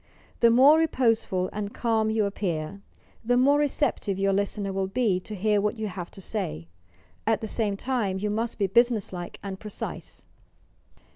The more reposeful and calm you appear, the more receptive your listener will be to hear what you have to say. At the same time, you must be business like and precise.